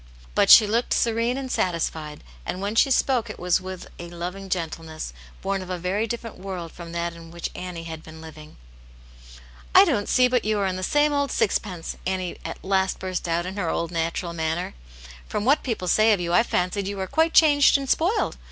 But she looked serene and satisfied, and when she spoke it was with a loving gentleness born of a very different world from that in which Annie had been living. " I don't see but you are the same old sixpence !" Annie at last burst out in her old natural manner. " From what people say of you I fancied you were quite changed and spoiled.